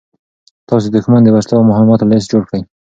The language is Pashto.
تاسو د دښمن د وسلو او مهماتو لېست جوړ کړئ.